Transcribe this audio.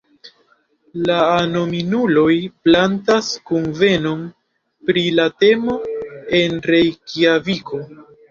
La anonimuloj planas kunvenon pri la temo en Rejkjaviko.